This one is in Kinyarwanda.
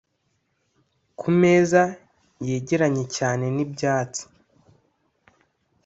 ku meza yegeranye cyane n'ibyatsi,